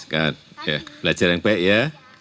belajar yang baik ya